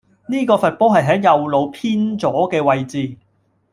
呢個罰波係喺右路偏左既位置